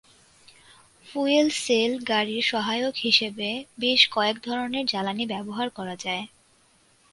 Fuel cell গাড়ির সহায়ক হিসেবে বেশ কয়েক ধরনের জ্বালানি ব্যবহার করা যায়।